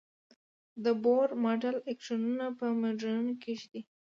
د بور ماډل الکترونونه په مدارونو کې ږدي.